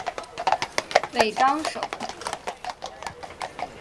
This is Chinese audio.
尾张守。